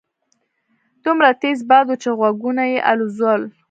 دومره تېز باد وو چې غوږونه يې الوځول.